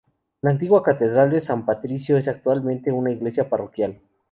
La Antigua Catedral de San Patricio es actualmente una iglesia parroquial.